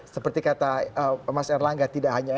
seperti kata mas erlangga tidak hanya